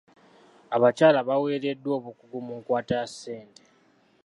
Abakyala baweereddwa obukugu mu nkwata ya ssente.